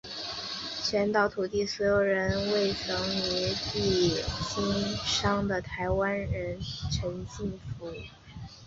全岛土地所有人为曾于当地经商的台湾商人陈进福。